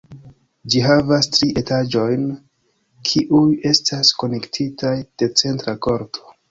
Ĝi havas tri etaĝojn, kiuj estas konektitaj de centra korto.